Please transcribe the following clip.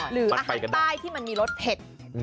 หรืออาหารใต้ที่มันมีรสเผ็ด